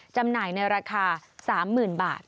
จำหน่ายในราคา๓๐๐๐บาท